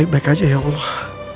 semoga mereka baik baik aja ya allah